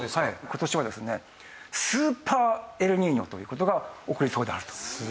今年はですねスーパーエルニーニョという事が起こりそうであると。